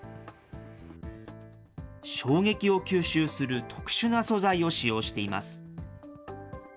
衝撃を吸収する特殊な素材を使用しています。